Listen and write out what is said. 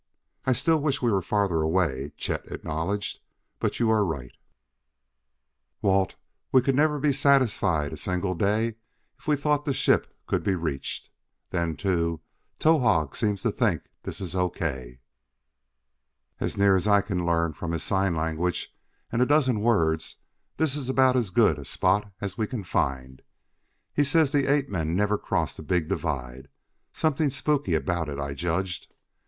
"I still wish we were farther away," Chet acknowledged, "but you are right, Walt; we could never be satisfied a single day if we thought the ship could be reached. Then, too, Towahg seems to think this is O. K. "As near as I can learn from his sign language and a dozen words, this is about as good a spot as we can find. He says the ape men never cross the big divide; something spooky about it I judged.